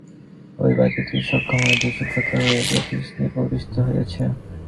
ঐ বাতিটিই সূক্ষ্ম হইতে সূক্ষ্মতর হইয়া কষ্টিকে প্রবিষ্ট হইয়াছে।